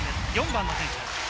４番の選手。